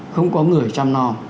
không có người chăm no